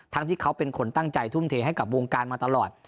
ที่เขาเป็นคนตั้งใจทุ่มเทให้กับวงการมาตลอด